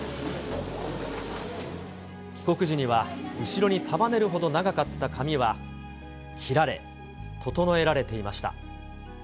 帰国時には後ろに束ねるほど長かった髪は切られ、整えられていました。